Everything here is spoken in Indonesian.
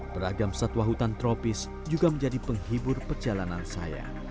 beragam satwa hutan tropis juga menjadi penghibur perjalanan saya